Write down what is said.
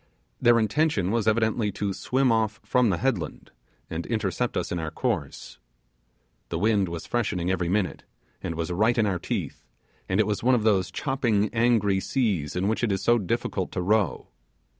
Their intention was evidently to swim off from the headland and intercept us in our course. The wind was freshening every minute, and was right in our teeth, and it was one of those chopping angry seas in which it is so difficult to row.